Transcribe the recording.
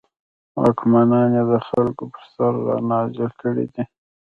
واکمنان یې د خلکو پر سر رانازل کړي دي.